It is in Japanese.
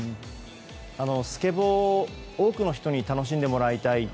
スケボー多くの人に楽しんでもらいたい。